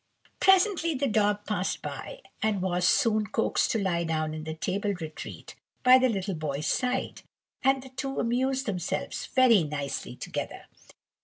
Presently the dog passed by, and was soon coaxed to lie down in the table retreat by the little boy's side, and the two amused themselves very nicely together.